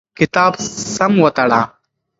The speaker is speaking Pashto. کتاب سم وتړه.